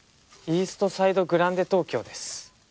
イーストサイド・グランデ東京です。